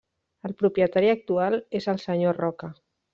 El propietari actual és el senyor Roca.